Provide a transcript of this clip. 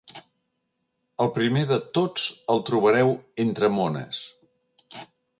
El primer de tots el trobareu entre mones.